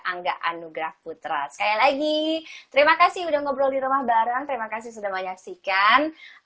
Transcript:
angga anugrah putra sekali lagi terima kasih udah ngobrol di rumah bareng terima kasih sudah menyaksikan